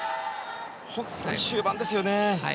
本当に終盤ですよね。